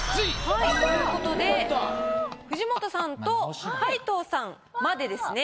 はいということで藤本さんと皆藤さんまでですね